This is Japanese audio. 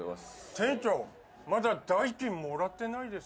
店長、まだ代金もらってないです